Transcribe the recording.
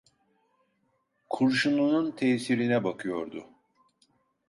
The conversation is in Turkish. Kurşununun tesirine bakıyordu.